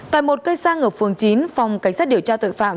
tại một cây xăng ở phường chín phòng cảnh sát điều tra tội phạm